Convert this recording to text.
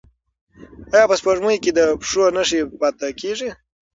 ایا په سپوږمۍ کې د پښو نښې پاتې کیږي؟